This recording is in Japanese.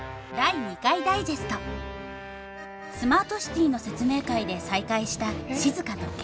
スマートシティの説明会で再会した静と圭一。